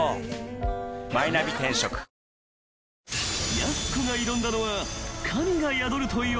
［やす子が挑んだのは］